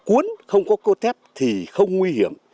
cuốn không có cơ thép thì không nguy hiểm